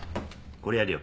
これやるよ。